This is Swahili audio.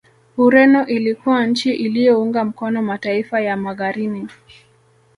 Ureno ilikuwa nchi iliyounga mkono mataifa ya Magharini